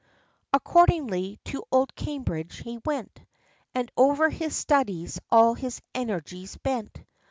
Accordingly, to old Cambridge he went, And over his studies all his energies bent.